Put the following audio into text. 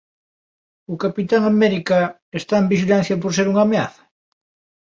O Capitán América está en vixilancia por ser unha ameaza?